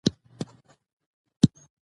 د مورخينو پلويان ډېر سرزوري دي.